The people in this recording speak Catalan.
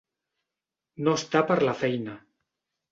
No està per la feina.